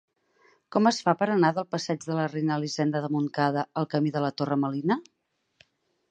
Com es fa per anar del passeig de la Reina Elisenda de Montcada al camí de la Torre Melina?